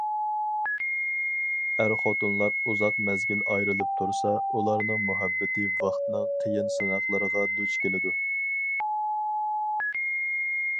ئەر- خوتۇنلار ئۇزاق مەزگىل ئايرىلىپ تۇرسا، ئۇلارنىڭ مۇھەببىتى ۋاقىتنىڭ قىيىن سىناقلىرىغا دۇچ كېلىدۇ.